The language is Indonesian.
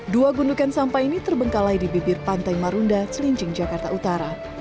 dua gundukan sampah ini terbengkalai di bibir pantai marunda cilincing jakarta utara